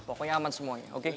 pokoknya aman semuanya oke